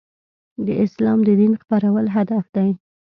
د اسلام د دین خپرول هدف دی.